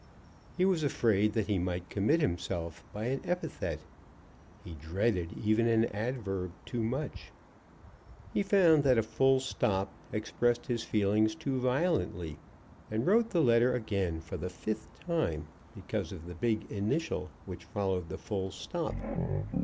He was afraid that he might commit himself by an epithet. He dreaded even an adverb too much. He found that a full stop expressed his feelings too violently, and wrote the letter again, for the fifth time, because of the big initial which followed the full stop.